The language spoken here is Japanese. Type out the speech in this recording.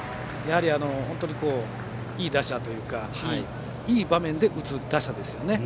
本当にいい打者というかいい場面で打つ打者ですね。